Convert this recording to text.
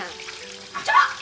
ちょっと！